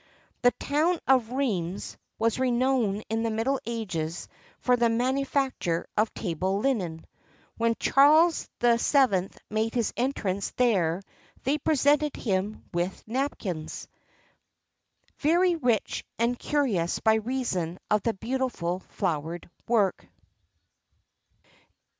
The town of Rheims was renowned in the middle ages for the manufacture of table linen. When Charles VII. made his entrance there they presented him with napkins, "very rich and curious by reason of the beautiful flowered work."